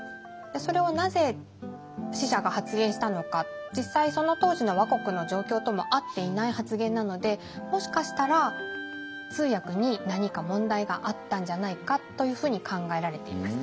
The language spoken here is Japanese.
それをなぜ使者が発言したのか実際その当時の倭国の状況とも合っていない発言なのでもしかしたら通訳に何か問題があったんじゃないかというふうに考えられています。